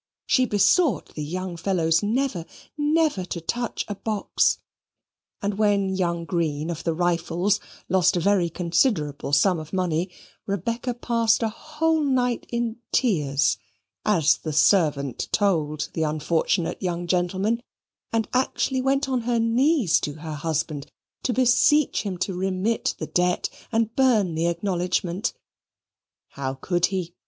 She besought the young fellows never, never to touch a box; and when young Green, of the Rifles, lost a very considerable sum of money, Rebecca passed a whole night in tears, as the servant told the unfortunate young gentleman, and actually went on her knees to her husband to beseech him to remit the debt, and burn the acknowledgement. How could he?